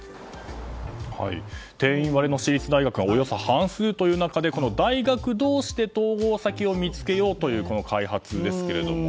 定員割れの私立大学がおよそ半数という中でこの大学同士で統合先を見つけようという開発ですが。